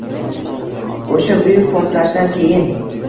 O’sha buyuk portlashdan keyin